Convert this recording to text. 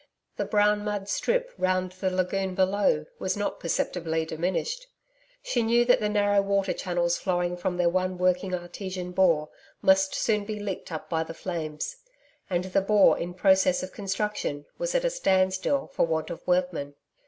The brown mud strip round the lagoon below, was not perceptibly diminished. She knew that the narrow water channels flowing from their one working artesian bore, must soon be licked up by the flames. And the Bore in process of construction, was at a standstill for want of workmen.